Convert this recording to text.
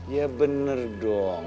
ya bener dong